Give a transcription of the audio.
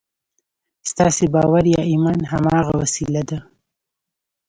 ستاسې باور یا ایمان هماغه وسیله ده